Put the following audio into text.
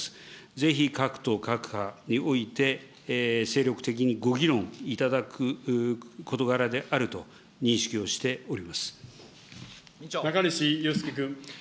ぜひ各党、各派において精力的にご議論いただく事柄であると認識をしており中西祐介君。